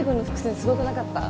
すごくなかった？